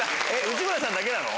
内村さんだけなの？